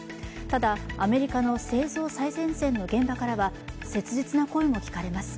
ただ、アメリカの製造最前線の現場からは切実な声も聞かれます。